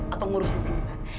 atau ngurusin si mita